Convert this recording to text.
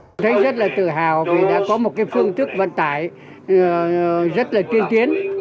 tôi thấy rất là tự hào vì đã có một cái phương thức vận tải rất là tiên tiến